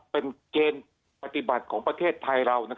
เป็นเกณฑ์ปฏิบัติของประเทศไทยเรา